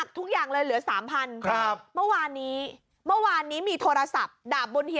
ทุกอย่างเลยเหลือ๓พันครับเมื่อวานนี้เมื่อวานนี้มีโทรศัพท์